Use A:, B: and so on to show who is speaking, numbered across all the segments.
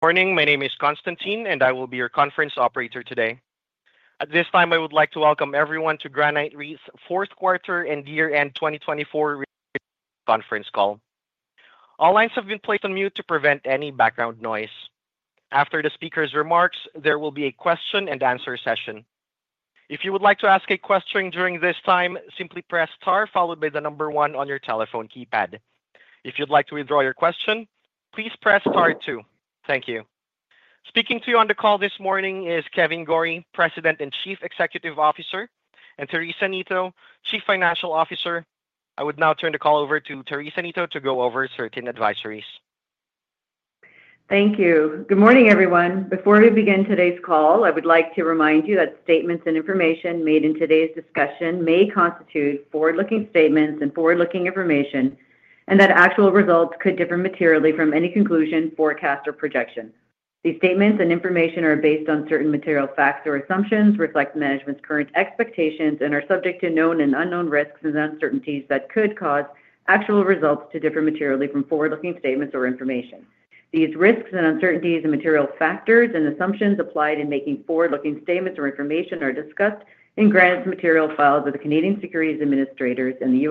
A: Morning. My name is Konstantin, and I will be your conference operator today. At this time, I would like to welcome everyone to Granite Real Estate's fourth quarter and year-end 2024 conference call. All lines have been placed on mute to prevent any background noise. After the speaker's remarks, there will be a question-and-answer session. If you would like to ask a question during this time, simply press * followed by the number one on your telephone keypad. If you'd like to withdraw your question, please press * two. Thank you. Speaking to you on the call this morning is Kevan Gorrie, President and Chief Executive Officer, and Teresa Neto, Chief Financial Officer. I would now turn the call over to Teresa Neto to go over certain advisories.
B: Thank you. Good morning, everyone. Before we begin today's call, I would like to remind you that statements and information made in today's discussion may constitute forward-looking statements and forward-looking information, and that actual results could differ materially from any conclusion, forecast, or projection. These statements and information are based on certain material facts or assumptions, reflect management's current expectations, and are subject to known and unknown risks and uncertainties that could cause actual results to differ materially from forward-looking statements or information. These risks and uncertainties and material factors and assumptions applied in making forward-looking statements or information are discussed in Granite's material filed with the Canadian Securities Administrators and the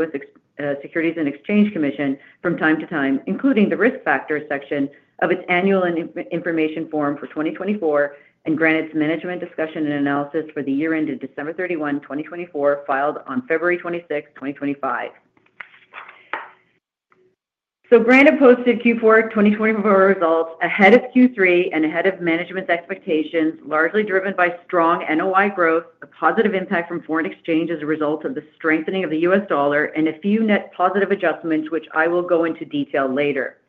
B: U.S. Securities and Exchange Commission from time to time, including the risk factors section of its annual information form for 2024 and Granite's management discussion and analysis for the year-end of December 31, 2024, filed on February 26, 2025. Granite posted Q4 2024 results ahead of Q3 2024 and ahead of management's expectations, largely driven by strong NOI growth, a positive impact from foreign exchange as a result of the strengthening of the U.S. dollar, and a few net positive adjustments, which I will go into detail later.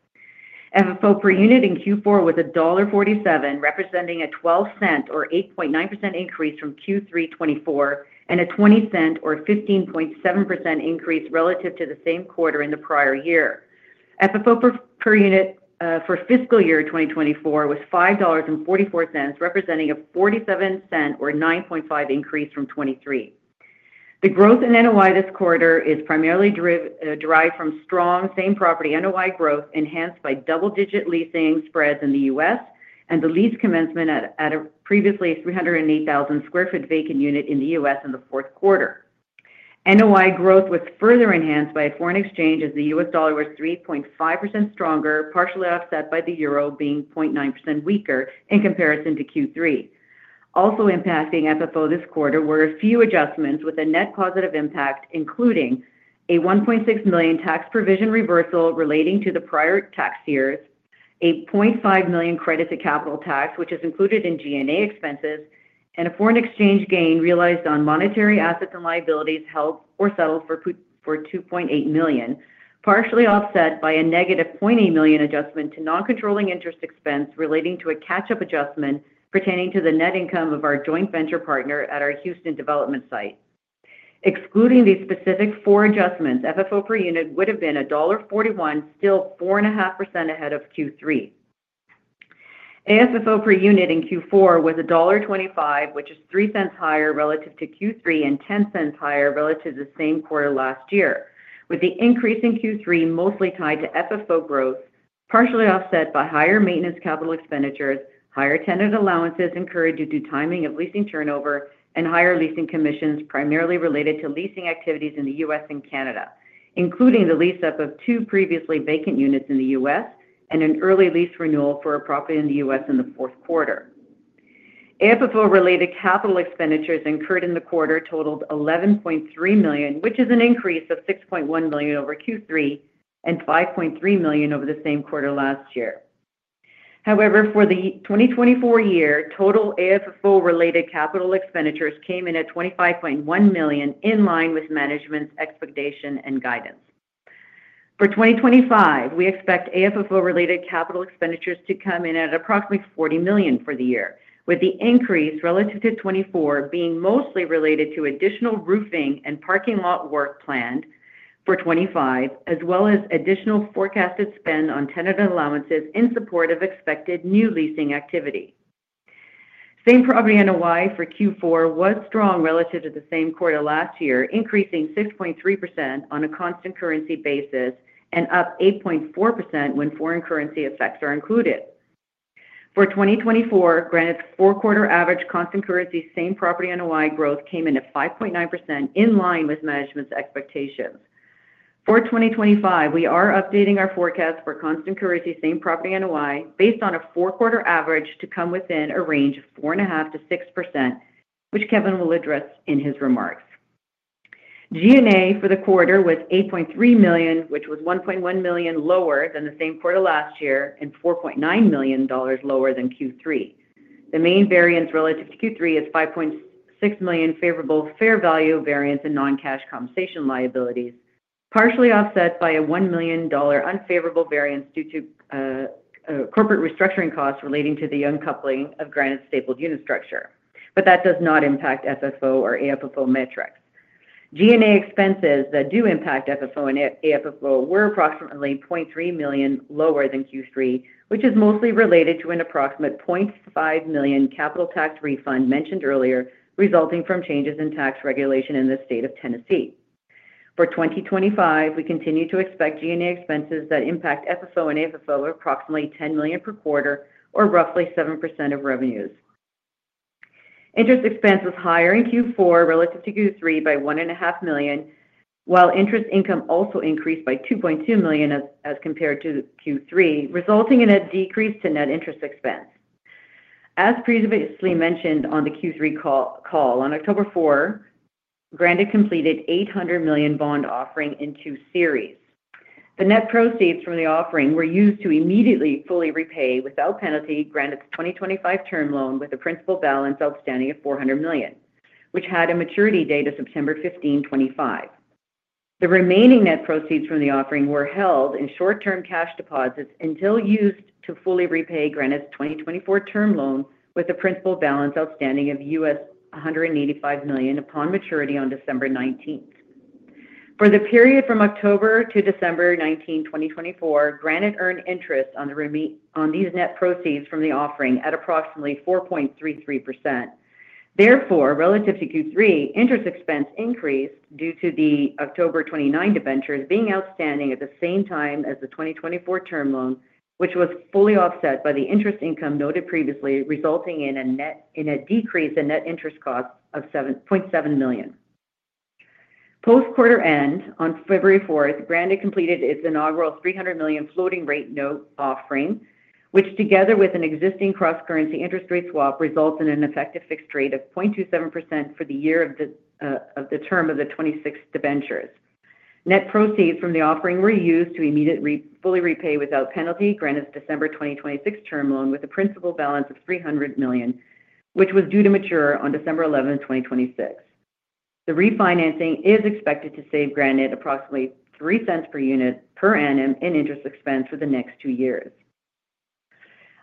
B: FFO per unit in Q4 was $1.47, representing a 12-cent or 8.9% increase from Q3 2024 and a 20-cent or 15.7% increase relative to the same quarter in the prior year. FFO per unit for fiscal year 2024 was $5.44, representing a 47-cent or 9.5% increase from 2023. The growth in NOI this quarter is primarily derived from strong same-property NOI growth, enhanced by double-digit leasing spreads in the U.S. and the lease commencement at a previously 308,000 sq ft vacant unit in the U.S. in the fourth quarter. NOI growth was further enhanced by foreign exchange as the U.S. dollar was 3.5% stronger, partially offset by the euro being 0.9% weaker in comparison to Q3. Also impacting FFO this quarter were a few adjustments with a net positive impact, including a 1.6 million tax provision reversal relating to the prior tax years, a 0.5 million credit to capital tax, which is included in G&A expenses, and a foreign exchange gain realized on monetary assets and liabilities held or settled for 2.8 million, partially offset by a negative 0.8 million adjustment to non-controlling interest expense relating to a catch-up adjustment pertaining to the net income of our joint venture partner at our Houston development site. Excluding these specific four adjustments, FFO per unit would have been $1.41, still 4.5% ahead of Q3. AFFO per unit in Q4 was $1.25, which is 3 cents higher relative to Q3 and 10 cents higher relative to the same quarter last year, with the increase in Q3 mostly tied to FFO growth, partially offset by higher maintenance capital expenditures, higher tenant allowances incurred due to timing of leasing turnover, and higher leasing commissions primarily related to leasing activities in the U.S. and Canada, including the lease-up of two previously vacant units in the U.S. and an early lease renewal for a property in the U.S. in the fourth quarter. AFFO-related capital expenditures incurred in the quarter totaled $11.3 million, which is an increase of $6.1 million over Q3 and $5.3 million over the same quarter last year. However, for the 2024 year, total AFFO-related capital expenditures came in at $25.1 million, in line with management's expectation and guidance. For 2025, we expect AFFO-related capital expenditures to come in at approximately $40 million for the year, with the increase relative to 2024 being mostly related to additional roofing and parking lot work planned for 2025, as well as additional forecasted spend on tenant allowances in support of expected new leasing activity. Same-Property NOI for Q4 was strong relative to the same quarter last year, increasing 6.3% on a constant currency basis and up 8.4% when foreign currency effects are included. For 2024, Granite's four-quarter average constant currency Same-Property NOI growth came in at 5.9%, in line with management's expectations. For 2025, we are updating our forecast for constant currency Same-Property NOI based on a four-quarter average to come within a range of 4.5%-6%, which Kevan will address in his remarks. G&A for the quarter was $8.3 million, which was $1.1 million lower than the same quarter last year and $4.9 million lower than Q3. The main variance relative to Q3 is $5.6 million favorable fair value variance in non-cash compensation liabilities, partially offset by a $1 million unfavorable variance due to corporate restructuring costs relating to the uncoupling of Granite's stapled unit structure. But that does not impact FFO or AFFO metrics. G&A expenses that do impact FFO and AFFO were approximately $0.3 million lower than Q3, which is mostly related to an approximate $0.5 million capital tax refund mentioned earlier, resulting from changes in tax regulation in the state of Tennessee. For 2025, we continue to expect G&A expenses that impact FFO and AFFO of approximately $10 million per quarter, or roughly 7% of revenues. Interest expense was higher in Q4 relative to Q3 by 1.5 million, while interest income also increased by 2.2 million as compared to Q3, resulting in a decrease to net interest expense. As previously mentioned on the Q3 call, on October 4, Granite completed 800 million bond offering in two series. The net proceeds from the offering were used to immediately fully repay, without penalty, Granite's 2025 term loan with a principal balance outstanding of 400 million, which had a maturity date of September 15, 2025. The remaining net proceeds from the offering were held in short-term cash deposits until used to fully repay Granite's 2024 term loan with a principal balance outstanding of $185 million upon maturity on December 19. For the period from October to December 19, 2024, Granite earned interest on these net proceeds from the offering at approximately 4.33%. Therefore, relative to Q3, interest expense increased due to the October 2029 notes being outstanding at the same time as the 2024 term loan, which was fully offset by the interest income noted previously, resulting in a decrease in net interest cost of $7.7 million. Post-quarter end, on February 4, Granite completed its inaugural $300 million floating-rate note offering, which, together with an existing cross-currency interest rate swap, results in an effective fixed rate of 0.27% for the year of the term of the 2026 notes. Net proceeds from the offering were used to immediately fully repay, without penalty, Granite's December 2026 term loan with a principal balance of $300 million, which was due to mature on December 11, 2026. The refinancing is expected to save Granite approximately $0.03 per unit per annum in interest expense for the next two years.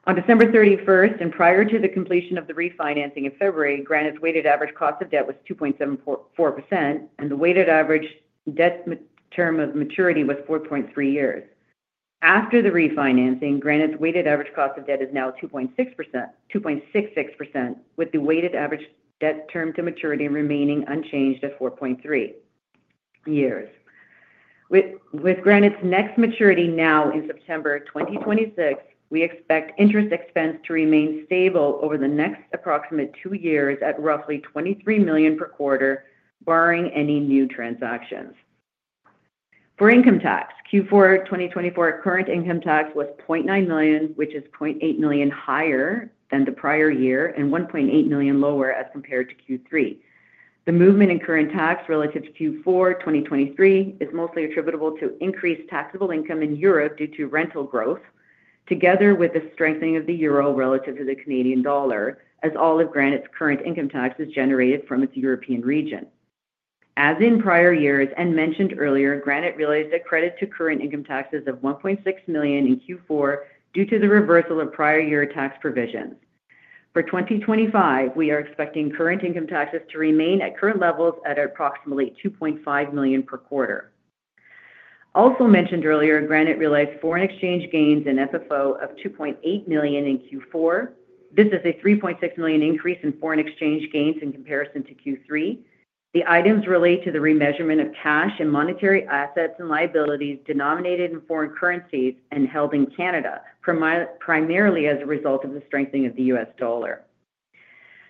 B: On December 31 and prior to the completion of the refinancing in February, Granite's weighted average cost of debt was 2.74%, and the weighted average debt term of maturity was 4.3 years. After the refinancing, Granite's weighted average cost of debt is now 2.66%, with the weighted average debt term to maturity remaining unchanged at 4.3 years. With Granite's next maturity now in September 2026, we expect interest expense to remain stable over the next approximate two years at roughly 23 million per quarter, barring any new transactions. For income tax, Q4 2024 current income tax was 0.9 million, which is 0.8 million higher than the prior year and 1.8 million lower as compared to Q3. The movement in current tax relative to Q4 2023 is mostly attributable to increased taxable income in Europe due to rental growth, together with the strengthening of the euro relative to the Canadian dollar, as all of Granite's current income tax is generated from its European region. As in prior years and mentioned earlier, Granite realized a credit to current income taxes of 1.6 million in Q4 due to the reversal of prior year tax provisions. For 2025, we are expecting current income taxes to remain at current levels at approximately 2.5 million per quarter. Also mentioned earlier, Granite realized foreign exchange gains in FFO of 2.8 million in Q4. This is a 3.6 million increase in foreign exchange gains in comparison to Q3. The items relate to the remeasurement of cash and monetary assets and liabilities denominated in foreign currencies and held in Canada, primarily as a result of the strengthening of the U.S. dollar.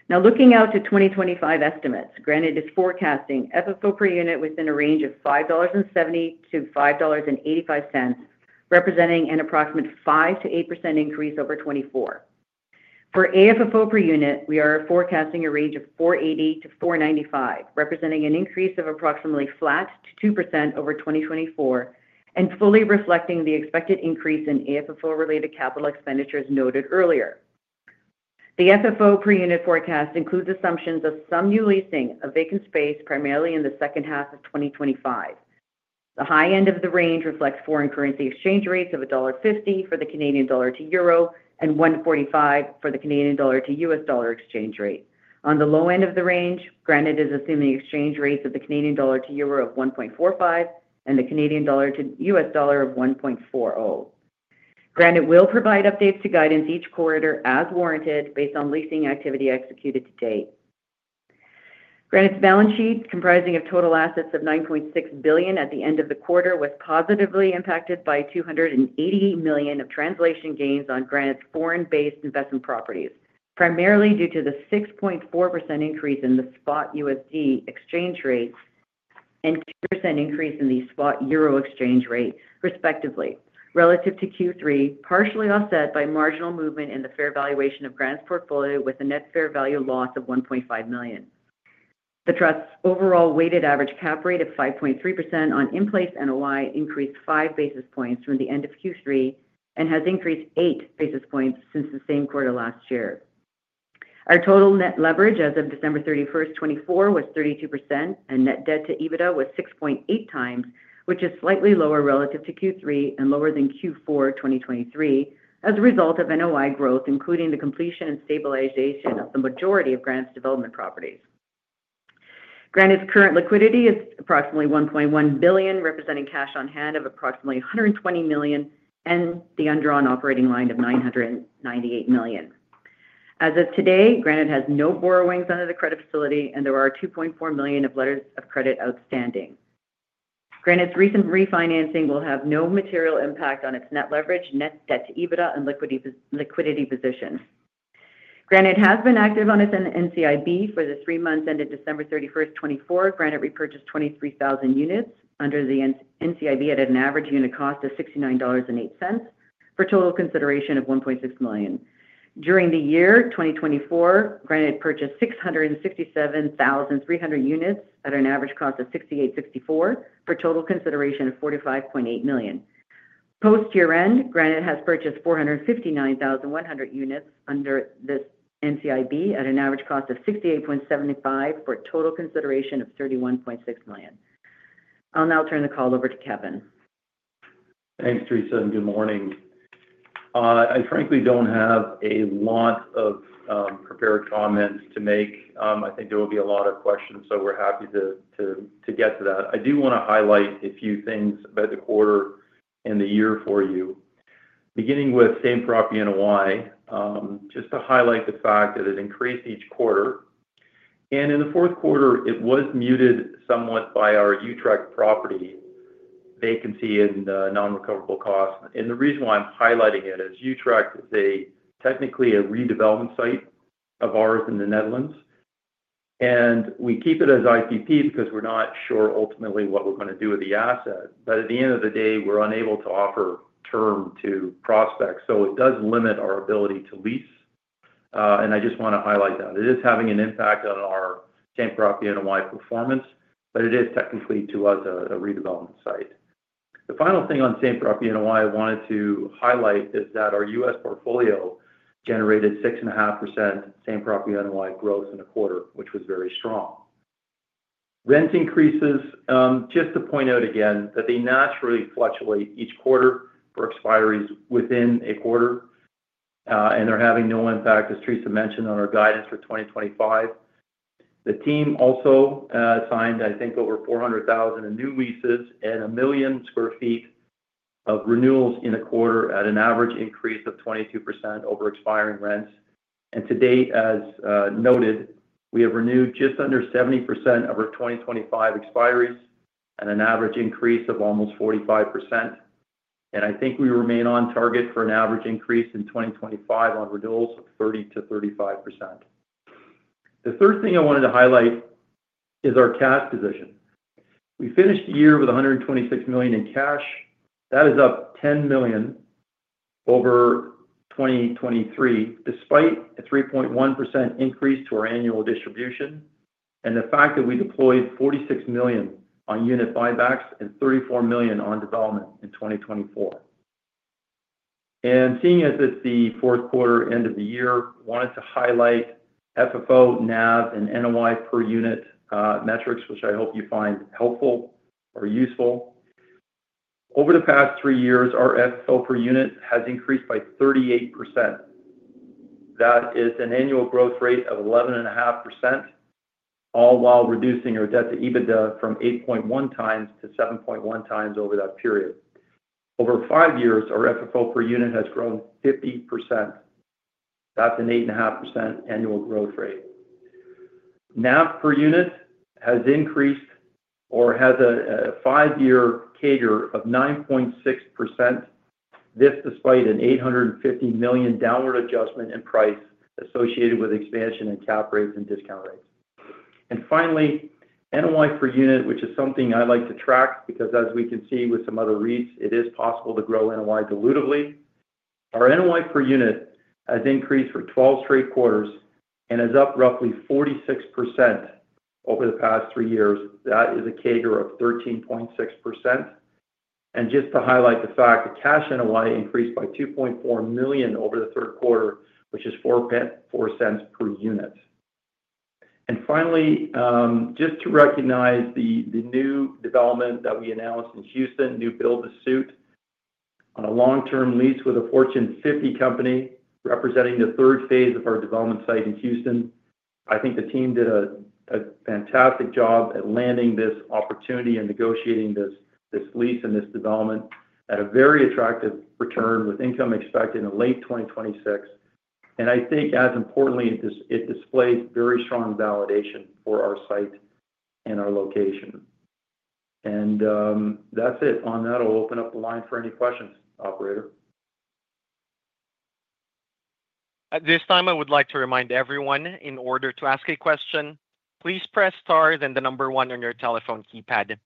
B: Now, looking out to 2025 estimates, Granite is forecasting FFO per unit within a range of $5.70-$5.85, representing an approximate 5%-8% increase over 2024. For AFFO per unit, we are forecasting a range of $4.80-$4.95, representing an increase of approximately flat to 2% over 2024 and fully reflecting the expected increase in AFFO-related capital expenditures noted earlier. The FFO per unit forecast includes assumptions of some new leasing of vacant space primarily in the second half of 2025. The high end of the range reflects foreign currency exchange rates of $1.50 for the Canadian dollar to euro and $1.45 for the Canadian dollar to U.S. dollar exchange rate. On the low end of the range, Granite is assuming exchange rates of the Canadian dollar to euro of 1.45 and the Canadian dollar to U.S. dollar of 1.40. Granite will provide updates to guidance each quarter, as warranted, based on leasing activity executed to date. Granite's balance sheet, comprising of total assets of 9.6 billion at the end of the quarter, was positively impacted by 288 million of translation gains on Granite's foreign-based investment properties, primarily due to the 6.4% increase in the spot USD exchange rate and 2% increase in the spot euro exchange rate, respectively, relative to Q3, partially offset by marginal movement in the fair valuation of Granite's portfolio with a net fair value loss of 1.5 million. The Trust's overall weighted average cap rate of 5.3% on in-place NOI increased five basis points from the end of Q3 and has increased eight basis points since the same quarter last year. Our total net leverage as of December 31, 2024, was 32%, and net debt to EBITDA was 6.8 times, which is slightly lower relative to Q3 and lower than Q4 2023 as a result of NOI growth, including the completion and stabilization of the majority of Granite's development properties. Granite's current liquidity is approximately 1.1 billion, representing cash on hand of approximately 120 million and the underlying operating line of 998 million. As of today, Granite has no borrowings under the credit facility, and there are 2.4 million of letters of credit outstanding. Granite's recent refinancing will have no material impact on its net leverage, net debt to EBITDA, and liquidity position. Granite has been active on its NCIB for the three months ended December 31, 2024. Granite repurchased 23,000 units under the NCIB at an average unit cost of 69.08 dollars for total consideration of 1.6 million. During the year 2024, Granite purchased 667,300 units at an average cost of 68.64 for total consideration of 45.8 million. Post-year end, Granite has purchased 459,100 units under this NCIB at an average cost of 68.75 for total consideration of 31.6 million. I'll now turn the call over to Kevan.
C: Thanks, Teresa, and good morning. I frankly don't have a lot of prepared comments to make. I think there will be a lot of questions, so we're happy to get to that. I do want to highlight a few things about the quarter and the year for you, beginning with same-property NOI, just to highlight the fact that it increased each quarter. And in the fourth quarter, it was muted somewhat by our Utrecht property vacancy and non-recoverable costs. And the reason why I'm highlighting it is Utrecht is technically a redevelopment site of ours in the Netherlands. And we keep it as IPP because we're not sure ultimately what we're going to do with the asset. But at the end of the day, we're unable to offer term to prospects, so it does limit our ability to lease. And I just want to highlight that. It is having an impact on our same property NOI performance, but it is technically to us a redevelopment site. The final thing on same property NOI I wanted to highlight is that our U.S. portfolio generated 6.5% same property NOI growth in the quarter, which was very strong. Rent increases, just to point out again that they naturally fluctuate each quarter for expiries within a quarter, and they're having no impact, as Teresa mentioned, on our guidance for 2025. The team also signed, I think, over 400,000 new leases and a million sq ft of renewals in a quarter at an average increase of 22% over expiring rents. And to date, as noted, we have renewed just under 70% of our 2025 expiries at an average increase of almost 45%. And I think we remain on target for an average increase in 2025 on renewals of 30%-35%. The third thing I wanted to highlight is our cash position. We finished the year with 126 million in cash. That is up 10 million over 2023, despite a 3.1% increase to our annual distribution and the fact that we deployed 46 million on unit buybacks and 34 million on development in 2024 and seeing as it's the fourth quarter end of the year, I wanted to highlight FFO, NAV, and NOI per unit metrics, which I hope you find helpful or useful. Over the past three years, our FFO per unit has increased by 38%. That is an annual growth rate of 11.5%, all while reducing our debt to EBITDA from 8.1 times to 7.1 times over that period. Over five years, our FFO per unit has grown 50%. That's an 8.5% annual growth rate. NAV per unit has increased or has a five-year CAGR of 9.6%, this despite an 850 million downward adjustment in price associated with expansion in cap rates and discount rates. And finally, NOI per unit, which is something I like to track because, as we can see with some other REITs, it is possible to grow NOI dilutively. Our NOI per unit has increased for 12 straight quarters and is up roughly 46% over the past three years. That is a CAGR of 13.6%. And just to highlight the fact, the cash NOI increased by 2.4 million over the third quarter, which is 0.0404 per unit. And finally, just to recognize the new development that we announced in Houston, new build to suit on a long-term lease with a Fortune 50 company representing the third phase of our development site in Houston. I think the team did a fantastic job at landing this opportunity and negotiating this lease and this development at a very attractive return with income expected in late 2026. And I think, as importantly, it displays very strong validation for our site and our location. And that's it. On that, I'll open up the line for any questions, Operator.
A: At this time, I would like to remind everyone, in order to ask a question, please press star and the number one on your telephone keypad.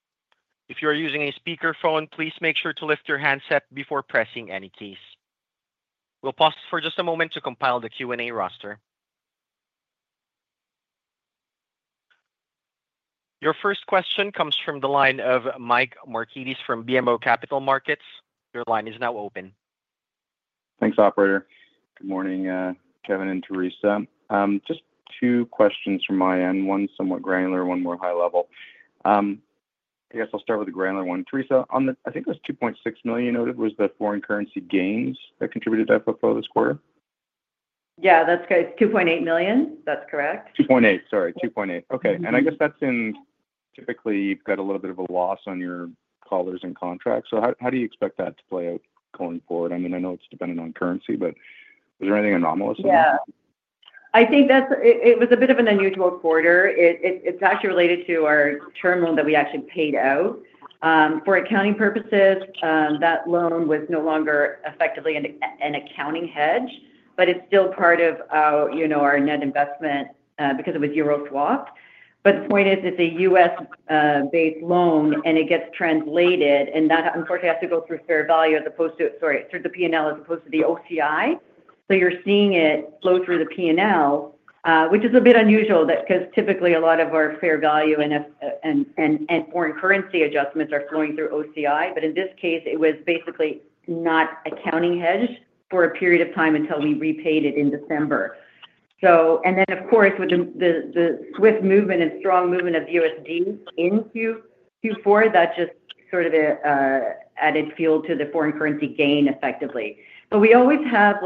A: If you are using a speakerphone, please make sure to lift your handset before pressing any keys. We'll pause for just a moment to compile the Q&A roster. Your first question comes from the line of Mike Markidis from BMO Capital Markets. Your line is now open.
D: Thanks, Operator. Good morning, Kevan and Teresa. Just two questions from my end, one somewhat granular, one more high level. I guess I'll start with the granular one. Teresa, on the, I think it was $2.6 million you noted, was the foreign currency gains that contributed to FFO this quarter?
B: Yeah, that's good. $2.8 million, that's correct.
D: 2.8, sorry. 2.8. Okay. And I guess that's in. Typically, you've got a little bit of a loss on your collars and contracts. So how do you expect that to play out going forward? I mean, I know it's dependent on currency, but was there anything anomalous in that?
B: Yeah. I think that it was a bit of an unusual quarter. It's actually related to our term loan that we actually paid out. For accounting purposes, that loan was no longer effectively an accounting hedge, but it's still part of our net investment because it was euro swap. But the point is, it's a U.S.-based loan, and it gets translated, and that, unfortunately, has to go through fair value as opposed to, sorry, through the P&L as opposed to the OCI. So you're seeing it flow through the P&L, which is a bit unusual because typically a lot of our fair value and foreign currency adjustments are flowing through OCI, but in this case, it was basically not accounting hedged for a period of time until we repaid it in December. And then, of course, with the swift movement and strong movement of USD into Q4, that just sort of added fuel to the foreign currency gain effectively. But we always have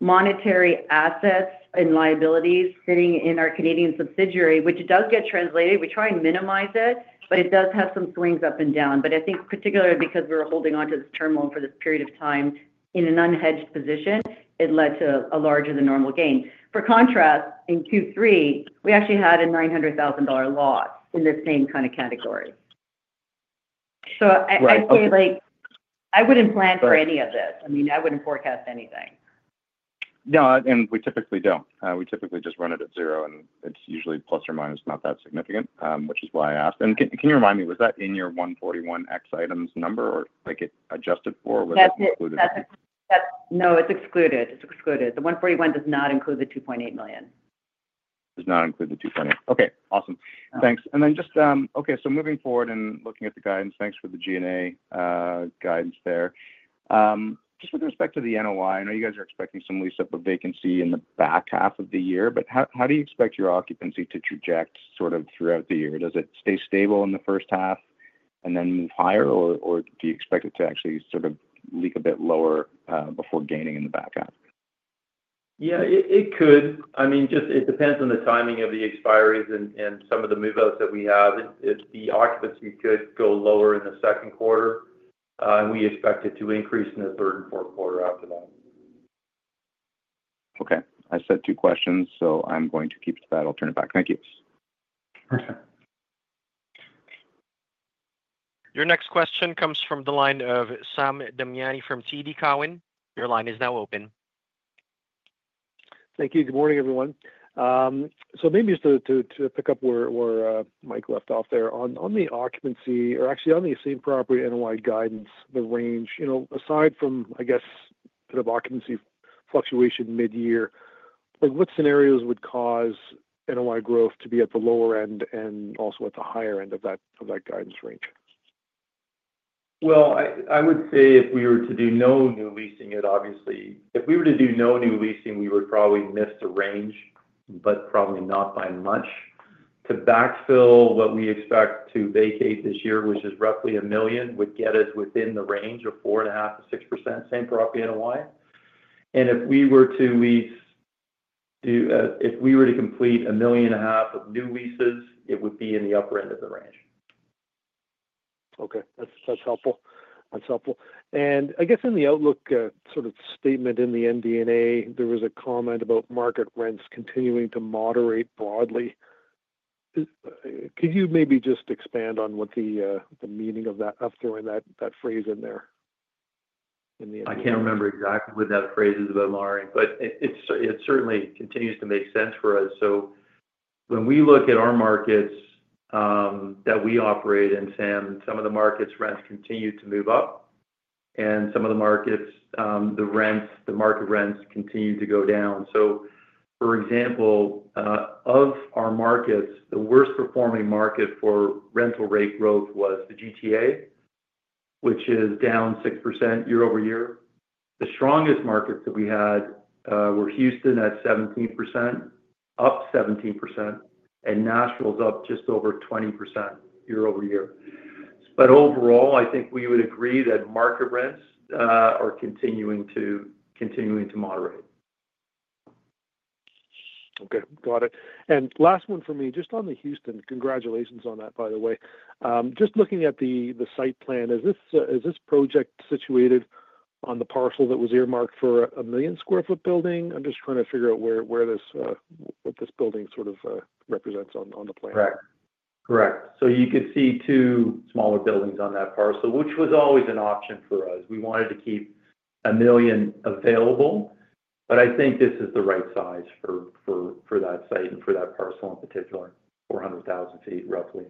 B: monetary assets and liabilities sitting in our Canadian subsidiary, which does get translated. We try and minimize it, but it does have some swings up and down. But I think particularly because we were holding on to this term loan for this period of time in an unhedged position, it led to a larger than normal gain. For contrast, in Q3, we actually had a $900,000 loss in the same kind of category. So I wouldn't plan for any of this. I mean, I wouldn't forecast anything.
D: No, and we typically don't. We typically just run it at zero, and it's usually plus or minus, not that significant, which is why I asked. And can you remind me, was that in your 141X item's number or it adjusted for or was that included?
B: No, it's excluded. It's excluded. The 141 does not include the $2.8 million.
D: Does not include the $2.8. Okay. Awesome. Thanks. And then just, okay, so moving forward and looking at the guidance, thanks for the G&A guidance there. Just with respect to the NOI, I know you guys are expecting some lease-up of vacancy in the back half of the year, but how do you expect your occupancy to project sort of throughout the year? Does it stay stable in the first half and then move higher, or do you expect it to actually sort of dip a bit lower before gaining in the back half?
C: Yeah, it could. I mean, just it depends on the timing of the expiries and some of the move-outs that we have. The occupancy could go lower in the second quarter, and we expect it to increase in the third and fourth quarters after that.
D: Okay. I said two questions, so I'm going to keep to that. I'll turn it back. Thank you.
C: Perfect.
A: Your next question comes from the line of Sam Damiani from TD Cowen. Your line is now open.
E: Thank you. Good morning, everyone. Maybe just to pick up where Mike left off there, on the occupancy or actually on the same-property NOI guidance, the range, aside from, I guess, sort of occupancy fluctuation mid-year, what scenarios would cause NOI growth to be at the lower end and also at the higher end of that guidance range?
C: I would say if we were to do no new leasing, obviously, if we were to do no new leasing, we would probably miss the range, but probably not by much. To backfill what we expect to vacate this year, which is roughly a million, would get us within the range of 4.5%-6% same-property NOI. If we were to lease, if we were to complete a million and a half of new leases, it would be in the upper end of the range.
E: Okay. That's helpful. That's helpful. And I guess in the Outlook sort of statement in the MD&A, there was a comment about market rents continuing to moderate broadly. Could you maybe just expand on what the meaning of that, of throwing that phrase in there in the MD&A?
C: I can't remember exactly what that phrase is about, Lorne, but it certainly continues to make sense for us. So when we look at our markets that we operate in, Sam, some of the markets' rents continue to move up, and some of the markets, the market rents continue to go down. So for example, of our markets, the worst-performing market for rental rate growth was the GTA, which is down 6% year over year. The strongest markets that we had were Houston at 17%, up 17%, and Nashville's up just over 20% year over year. But overall, I think we would agree that market rents are continuing to moderate.
E: Okay. Got it. And last one for me, just on the Houston, congratulations on that, by the way. Just looking at the site plan, is this project situated on the parcel that was earmarked for a million sq ft building? I'm just trying to figure out what this building sort of represents on the plan.
C: Correct. Correct. So you could see two smaller buildings on that parcel, which was always an option for us. We wanted to keep a million sq ft available, but I think this is the right size for that site and for that parcel in particular, 400,000 sq ft roughly.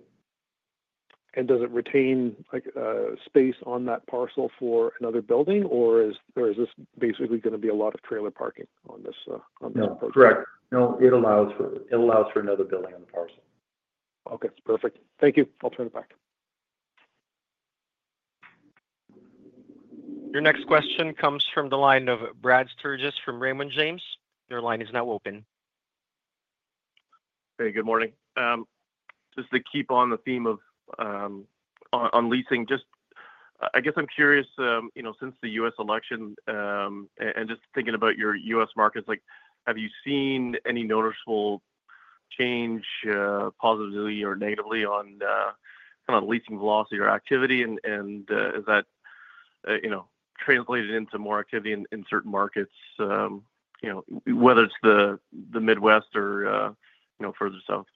E: And does it retain space on that parcel for another building, or is this basically going to be a lot of trailer parking on this parcel?
C: No. Correct. No, it allows for another building on the parcel.
E: Okay. Perfect. Thank you. I'll turn it back.
A: Your next question comes from the line of Brad Sturges from Raymond James. Your line is now open.
F: Hey, good morning. Just to keep on the theme of on leasing, just I guess I'm curious, since the U.S. election and just thinking about your U.S. markets, have you seen any noticeable change positively or negatively on kind of leasing velocity or activity, and is that translated into more activity in certain markets, whether it's the Midwest or further south?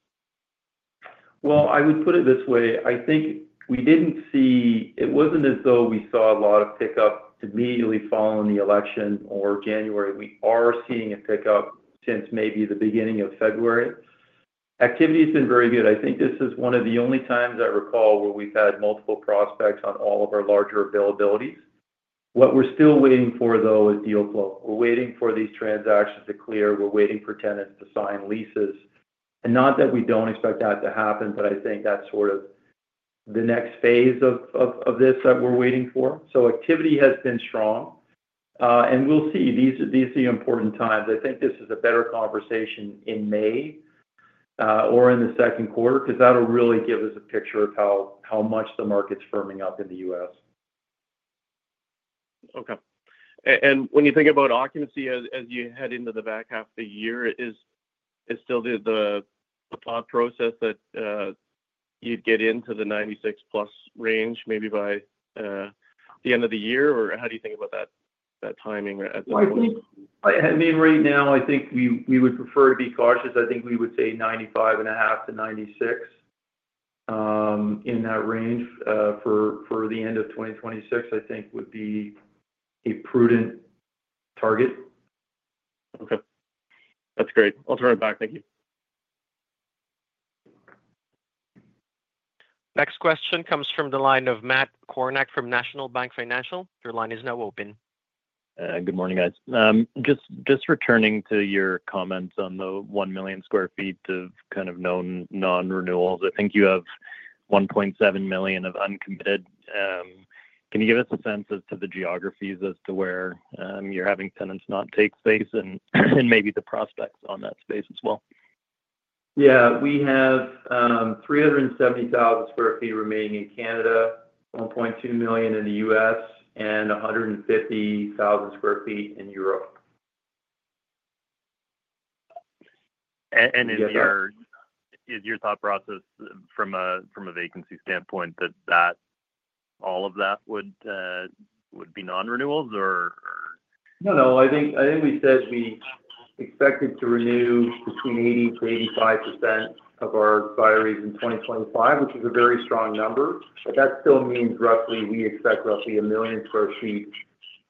C: Well, I would put it this way. I think we didn't see. It wasn't as though we saw a lot of pickup immediately following the election or January. We are seeing a pickup since maybe the beginning of February. Activity has been very good. I think this is one of the only times I recall where we've had multiple prospects on all of our larger availabilities. What we're still waiting for, though, is deal flow. We're waiting for these transactions to clear. We're waiting for tenants to sign leases, and not that we don't expect that to happen, but I think that's sort of the next phase of this that we're waiting for, so activity has been strong, and we'll see. These are the important times. I think this is a better conversation in May or in the second quarter because that'll really give us a picture of how much the market's firming up in the U.S.
F: Okay. When you think about occupancy as you head into the back half of the year, is still the thought process that you'd get into the 96%-plus range maybe by the end of the year, or how do you think about that timing at that point?
C: I mean, right now, I think we would prefer to be cautious. I think we would say 95.5%-96% in that range for the end of 2026, I think, would be a prudent target.
F: Okay. That's great. I'll turn it back.
A: Thank you. Next question comes from the line of Matt Kornack from National Bank Financial. Your line is now open.
G: Good morning, guys. Just returning to your comments on the 1 million sq ft of kind of known non-renewals, I think you have 1.7 million of uncommitted. Can you give us a sense as to the geographies as to where you're having tenants not take space and maybe the prospects on that space as well?
C: Yeah. We have 370,000 sq ft remaining in Canada, 1.2 million sq ft in the U.S., and 150,000 sq ft in Europe.
G: And is your thought process from a vacancy standpoint that all of that would be non-renewals, or?
C: No, no. I think we said we expected to renew between 80-85% of our expiries in 2025, which is a very strong number. But that still means roughly we expect roughly 1 million sq ft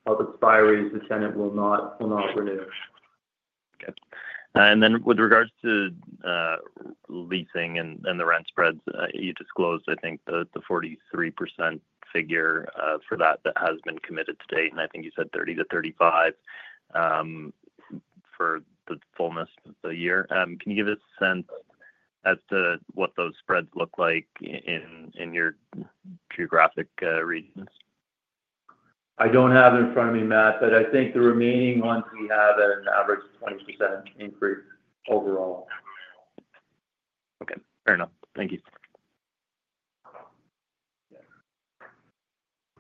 C: of expiries the tenant will not renew.
G: Okay. And then with regards to leasing and the rent spreads, you disclosed, I think, the 43% figure for that that has been committed to date. And I think you said 30-35% for the fullness of the year. Can you give us a sense as to what those spreads look like in your geographic regions?
C: I don't have it in front of me, Matt, but I think the remaining ones we have an average of 20% increase overall. Okay. Fair enough. Thank you.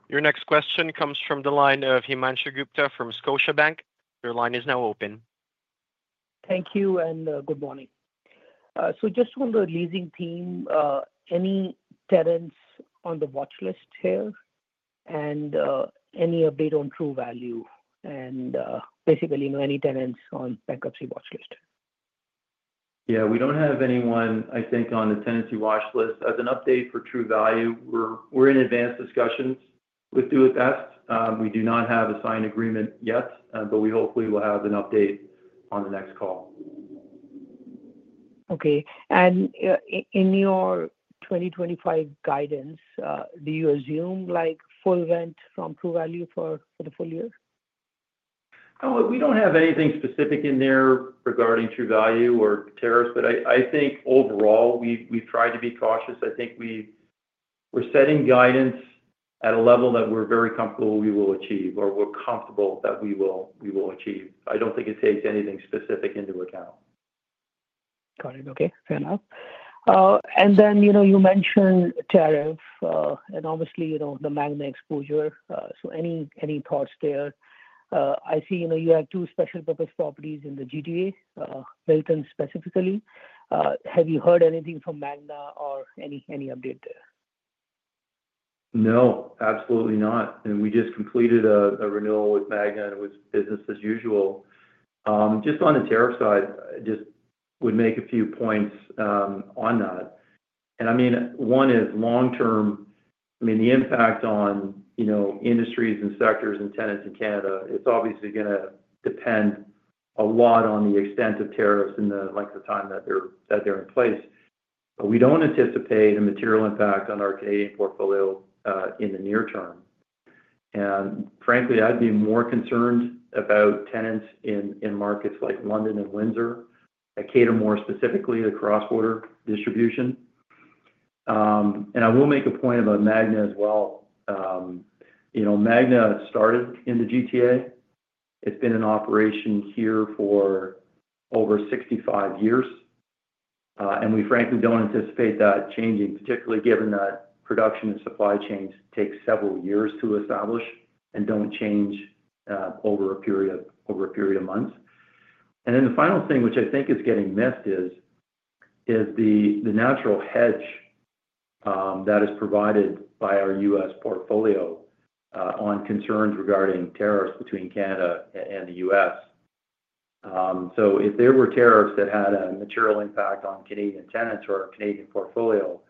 A: Your next question comes from the line of Himanshu Gupta from Scotiabank. Your line is now open.
H: Thank you and good morning. So just from the leasing team, any tenants on the watch list here and any update on True Value and basically any tenants on bankruptcy watch list?
C: Yeah. We don't have anyone, I think, on the tenancy watch list. As an update for True Value, we're in advanced discussions with Do it Best. We do not have a signed agreement yet, but we hopefully will have an update on the next call.
H: Okay. In your 2025 guidance, do you assume full rent from True Value for the full year?
C: We don't have anything specific in there regarding True Value or tariffs, but I think overall, we've tried to be cautious. I think we're setting guidance at a level that we're very comfortable we will achieve or we're comfortable that we will achieve. I don't think it takes anything specific into account.
H: Got it. Okay. Fair enough. You mentioned tariffs and obviously the Magna exposure. So any thoughts there? I see you have two special purpose properties in the GTA, Hilton specifically. Have you heard anything from Magna or any update there?
C: No, absolutely not. We just completed a renewal with Magna and it was business as usual. Just on the tariff side, I just would make a few points on that. I mean, one is long-term. I mean, the impact on industries and sectors and tenants in Canada, it's obviously going to depend a lot on the extent of tariffs and the length of time that they're in place. But we don't anticipate a material impact on our Canadian portfolio in the near term. And frankly, I'd be more concerned about tenants in markets like London and Windsor that cater more specifically to cross-border distribution. And I will make a point about Magna as well. Magna started in the GTA. It's been in operation here for over 65 years. And we frankly don't anticipate that changing, particularly given that production and supply chains take several years to establish and don't change over a period of months. And then the final thing which I think is getting missed is the natural hedge that is provided by our U.S. portfolio on concerns regarding tariffs between Canada and the U.S. So if there were tariffs that had a material impact on Canadian tenants or our Canadian portfolio,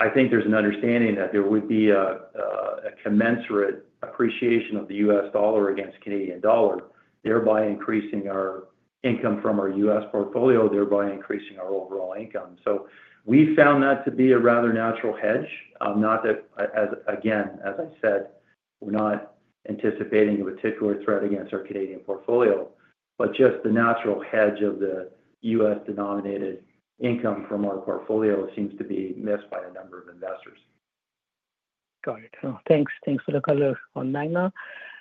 C: I think there's an understanding that there would be a commensurate appreciation of the U.S. dollar against Canadian dollar, thereby increasing our income from our U.S. portfolio, thereby increasing our overall income. So we found that to be a rather natural hedge. Not that, again, as I said, we're not anticipating a particular threat against our Canadian portfolio, but just the natural hedge of the U.S.-denominated income from our portfolio seems to be missed by a number of investors.
H: Got it. Thanks. Thanks for the color on Magna.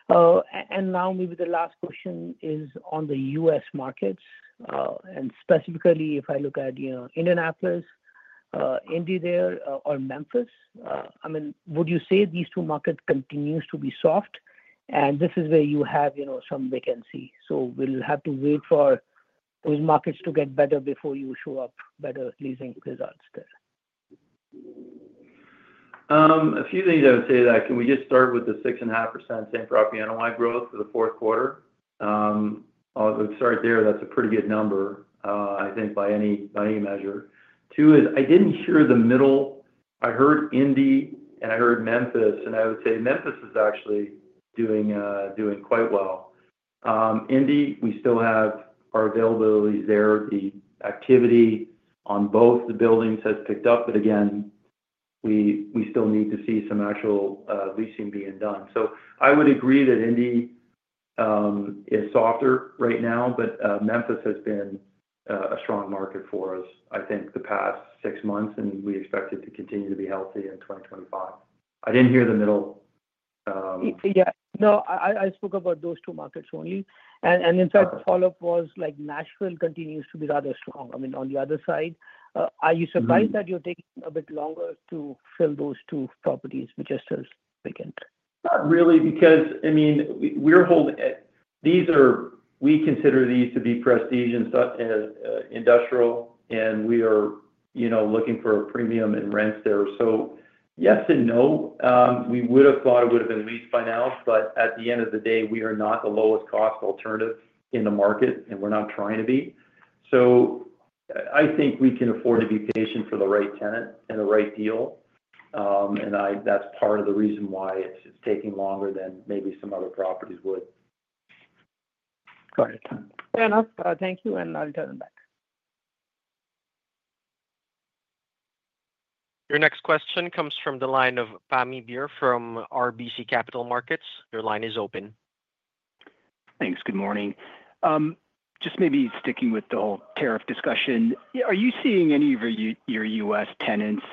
H: And now maybe the last question is on the U.S. markets. And specifically, if I look at Indianapolis, Indy there, or Memphis, I mean, would you say these two markets continue to be soft? This is where you have some vacancy. We'll have to wait for those markets to get better before you show up better leasing results there.
C: A few things I would say to that. Can we just start with the 6.5% same property NOI growth for the fourth quarter? I would start there. That's a pretty good number, I think, by any measure. Two is I didn't hear the middle. I heard Indy and I heard Memphis. I would say Memphis is actually doing quite well. Indy, we still have our availability there. The activity on both the buildings has picked up. Again, we still need to see some actual leasing being done. So I would agree that Indy is softer right now, but Memphis has been a strong market for us, I think, the past six months, and we expect it to continue to be healthy in 2025. I didn't hear the middle.
H: Yeah. No, I spoke about those two markets only. And in fact, the follow-up was Nashville continues to be rather strong. I mean, on the other side, are you surprised that you're taking a bit longer to fill those two properties which are still vacant?
C: Not really because, I mean, we consider these to be prestige and industrial, and we are looking for a premium in rents there. So yes and no. We would have thought it would have been leased by now, but at the end of the day, we are not the lowest-cost alternative in the market, and we're not trying to be. So I think we can afford to be patient for the right tenant and the right deal. And that's part of the reason why it's taking longer than maybe some other properties would.
H: Got it. Fair enough. Thank you. And I'll turn it back.
A: Your next question comes from the line of Pammi Bir from RBC Capital Markets. Your line is open.
I: Thanks. Good morning. Just maybe sticking with the whole tariff discussion, are you seeing any of your U.S. tenants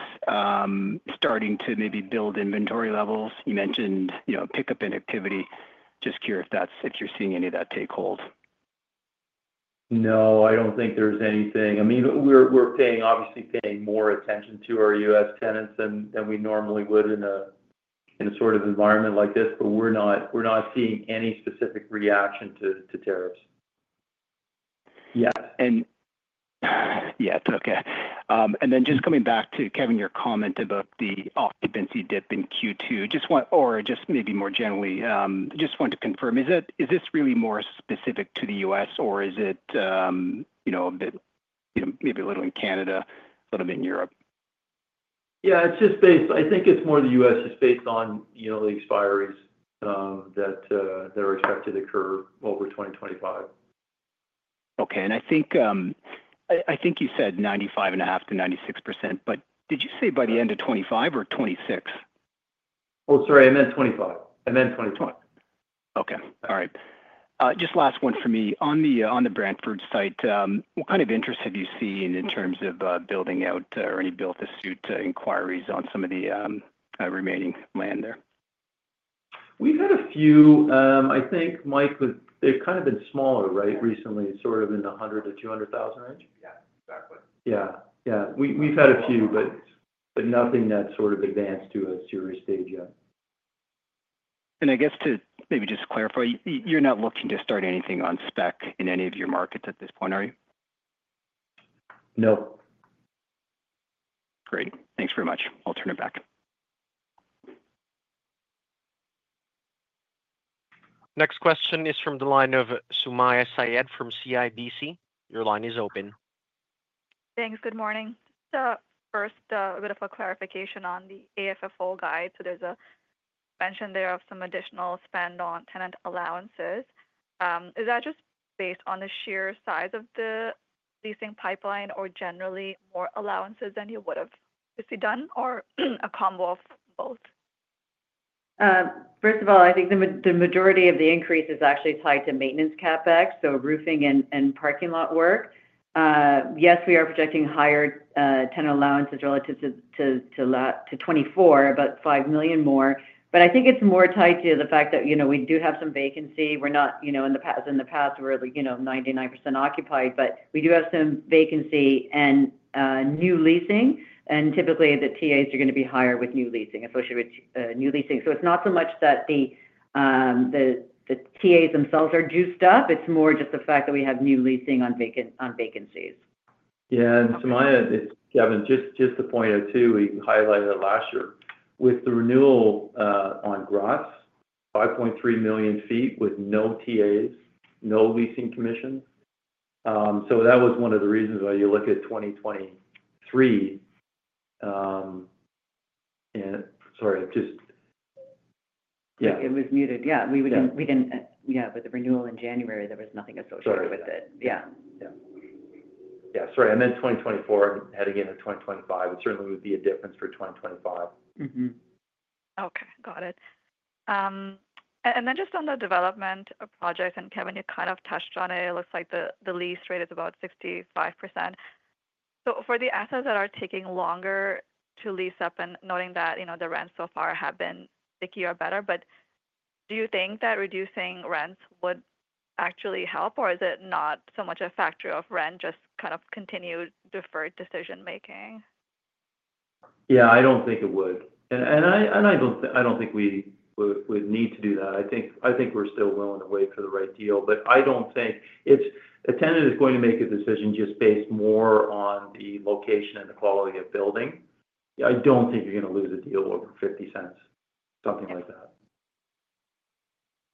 I: starting to maybe build inventory levels? You mentioned pickup in activity. Just curious if you're seeing any of that take hold.
C: No, I don't think there's anything. I mean, we're obviously paying more attention to our U.S. tenants than we normally would in a sort of environment like this, but we're not seeing any specific reaction to tariffs. Yes.
I: And yeah, it's okay. And then just coming back to, Kevan, your comment about the occupancy dip in Q2, or just maybe more generally, just want to confirm, is this really more specific to the U.S., or is it maybe a little in Canada, a little bit in Europe?
C: Yeah. I think it's more the U.S. is based on the expiries that are expected to occur over 2025.
I: Okay. And I think you said 95.5%-96%, but did you say by the end of 2025 or 2026?
C: Oh, sorry. I meant 2025. I meant 2026.
I: Okay. All right. Just last one for me. On the Brantford site, what kind of interest have you seen in terms of building out or any built-to-suit inquiries on some of the remaining land there? We've had a few.
C: I think, Mike, they've kind of been smaller, right, recently, sort of in the 100-200 thousand range? Yeah. Exactly. Yeah. Yeah. We've had a few, but nothing that's sort of advanced to a serious stage yet.
I: And I guess to maybe just clarify, you're not looking to start anything on spec in any of your markets at this point, are you?
C: No.
I: Great. Thanks very much. I'll turn it back.
A: Next question is from the line of Sumayya Syed from CIBC. Your line is open.
J: Thanks. Good morning. Just first, a bit of a clarification on the AFFO guide. So there's a mention there of some additional spend on tenant allowances. Is that just based on the sheer size of the leasing pipeline or generally more allowances than you would have obviously done, or a combo of both?
B: First of all, I think the majority of the increase is actually tied to maintenance CapEx, so roofing and parking lot work. Yes, we are projecting higher tenant allowances relative to 2024, about 5 million more. But I think it's more tied to the fact that we do have some vacancy. We're not, as in the past, we're 99% occupied, but we do have some vacancy and new leasing. And typically, the TAs are going to be higher with new leasing, associated with new leasing. So it's not so much that the TAs themselves are juiced up. It's more just the fact that we have new leasing on vacancies.
C: Yeah. And Sumayya, Kevan, just to point out too, we highlighted it last year. With the renewal on Magna, 5.3 million sq ft with no TAs, no leasing commission. So that was one of the reasons why you look at 2023. Sorry. Yeah. It was muted.
B: Yeah. We didn't yeah. But the renewal in January, there was nothing associated with it.
C: Yeah. Yeah. Yeah. Sorry. I meant 2024 and heading into 2025. It certainly would be a difference for 2025.
J: Okay. Got it. And then just on the development of projects, and Kevan, you kind of touched on it. It looks like the lease rate is about 65%. So for the assets that are taking longer to lease up and noting that the rents so far have been stickier or better, but do you think that reducing rents would actually help, or is it not so much a factor of rent, just kind of continued deferred decision-making?
C: Yeah. I don't think it would. And I don't think we would need to do that. I think we're still willing to wait for the right deal. But I don't think a tenant is going to make a decision just based more on the location and the quality of building. I don't think you're going to lose a deal over 50 cents, something like that.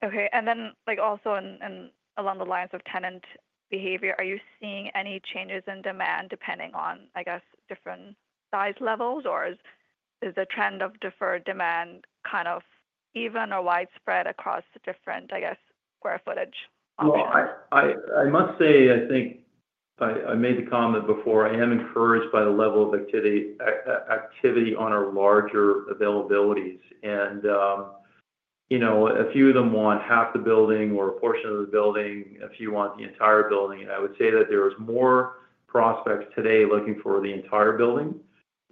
J: Okay. And then also along the lines of tenant behavior, are you seeing any changes in demand depending on, I guess, different size levels, or is the trend of deferred demand kind of even or widespread across different, I guess, square footage?
C: Well, I must say, I think I made the comment before. I am encouraged by the level of activity on our larger availabilities. And a few of them want half the building or a portion of the building. A few want the entire building. And I would say that there are more prospects today looking for the entire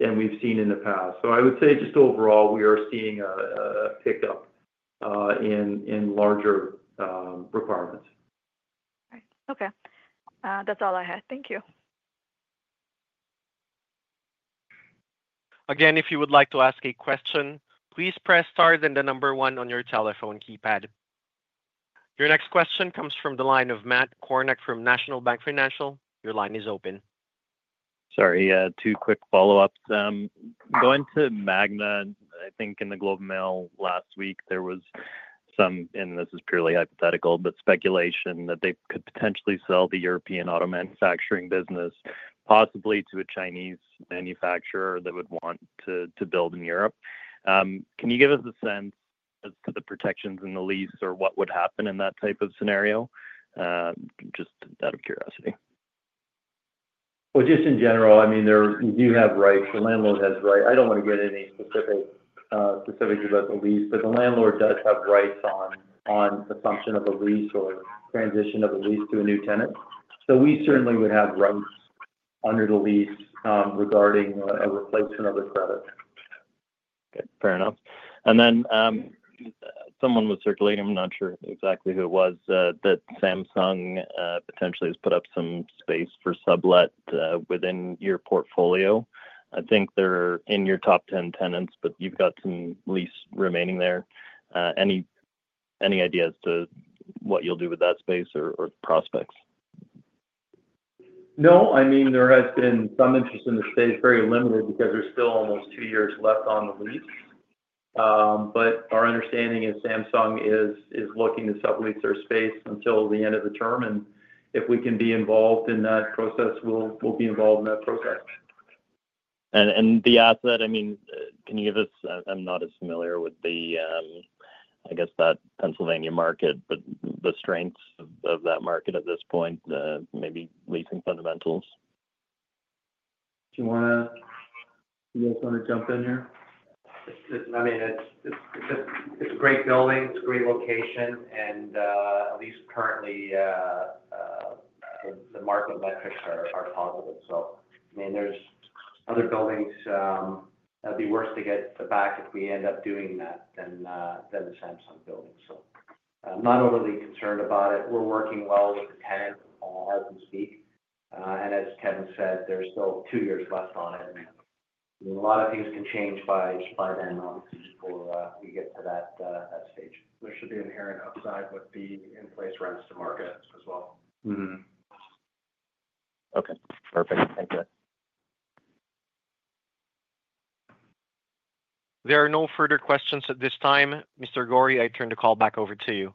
C: building than we've seen in the past. So I would say just overall, we are seeing a pickup in larger requirements.
J: Okay. That's all I had. Thank you.
A: Again, if you would like to ask a question, please press star then the number one on your telephone keypad. Your next question comes from the line of Matt Kornack from National Bank Financial. Your line is open.
K: Sorry. Two quick follow-ups. Going to Magna, I think in the Globe and Mail last week, there was some, and this is purely hypothetical, but speculation that they could potentially sell the European auto manufacturing business possibly to a Chinese manufacturer that would want to build in Europe. Can you give us a sense as to the protections in the lease or what would happen in that type of scenario, just out of curiosity?
C: Well, just in general, I mean, you do have rights. The landlord has rights. I don't want to get any specifics about the lease, but the landlord does have rights on assumption of a lease or transition of a lease to a new tenant. So we certainly would have rights under the lease regarding a replacement of the credit.
K: Okay. Fair enough. And then someone was circulating. I'm not sure exactly who it was that Samsung potentially has put up some space for sublet within your portfolio. I think they're in your top 10 tenants, but you've got some lease remaining there. Any ideas to what you'll do with that space or prospects?
C: No. I mean, there has been some interest in the space, very limited because there's still almost two years left on the lease. But our understanding is Samsung is looking to sublease their space until the end of the term.
K: And if we can be involved in that process, we'll be involved in that process. And the asset, I mean, can you give us, I'm not as familiar with the, I guess, that Pennsylvania market, but the strengths of that market at this point, maybe leasing fundamentals?
C: Do you want to, do you guys want to jump in here?
L: I mean, it's a great building. It's a great location. And at least currently, the market metrics are positive. So I mean, there's other buildings that would be worse to get the back if we end up doing that than the Samsung building. So I'm not overly concerned about it. We're working well with the tenant as we speak. And as Kevan said, there's still two years left on it. I mean, a lot of things can change by then once we get to that stage. There should be an inherent upside with the in-place rents to market as well. Okay. Perfect. Thank you.
A: There are no further questions at this time. Mr. Gorrie, I turn the call back over to you.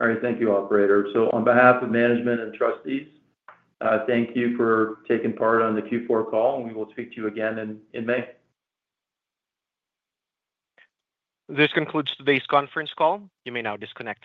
C: All right. Thank you, Operator. So on behalf of management and trustees, thank you for taking part on the Q4 call. And we will speak to you again in May.
A: This concludes today's conference call. You may now disconnect.